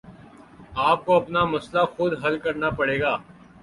آپ کو اپنا مسئلہ خود حل کرنا پڑے گا